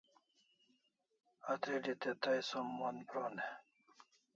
Atril'i te tai som mon pron e?